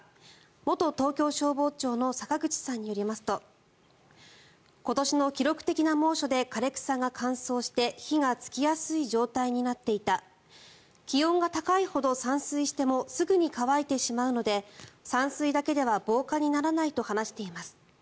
元東京消防庁の坂口さんによりますと今年の記録的な猛暑で枯れ草が乾燥して火がつきやすい状態になっていた気温が高いほど散水してもすぐに乾いてしまうので散水だけでは防火にならないと話しています。